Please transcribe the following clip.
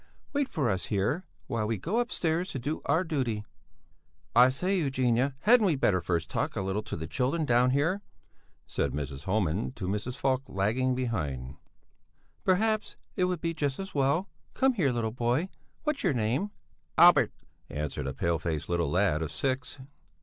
Wait for us here, while we go upstairs to do our duty." "I say, Eugenia, hadn't we better first talk a little to the children down here?" said Mrs. Homan to Mrs. Falk, lagging behind. "Perhaps it would be just as well. Come here, little boy! What's your name?" "Albert," answered a pale faced little lad of six.